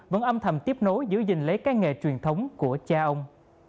vẫn âm thầm tiếp nối giữ gìn lấy cái nghề truyền thống của cha ông